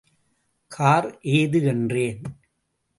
Car ஏது என்றேன்.